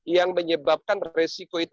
yang menyebabkan resiko itu